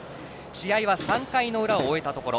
試合は３回の裏を終えたところ。